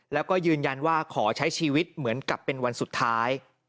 แล้วก็ยืนยันว่าขอใช้ชีวิตเหมือนกับเป็นวันสุดท้าย